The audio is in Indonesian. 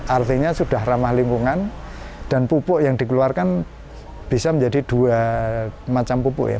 artinya sudah ramah lingkungan dan pupuk yang dikeluarkan bisa menjadi dua macam pupuk ya